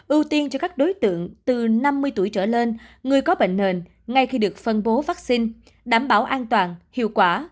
ưu tiên cho các đối tượng từ năm mươi tuổi trở lên người có bệnh nền ngay khi được phân bố vaccine đảm bảo an toàn hiệu quả